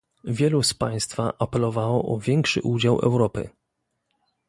Wielu z państwa apelowało o większy udział Europy